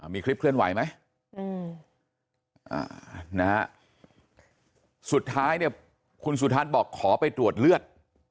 มีคลิปเคลื่อนไหวไหมสุดท้ายเนี่ยคุณสุทัศน์บอกขอไปตรวจเลือด